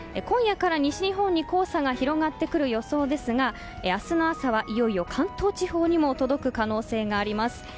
今夜から西日本に黄砂が広がってくる予想ですが明日の朝はいよいよ関東地方にも届く可能性があります。